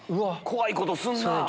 怖いことすんなぁ。